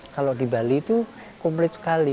kalau di bali itu komplit sekali